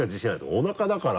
おなかだから。